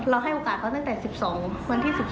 ให้โอกาสเขาตั้งแต่๑๒วันที่๑๒